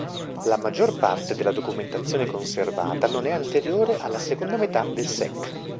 La maggior parte della documentazione conservata non è anteriore alla seconda metà del sec.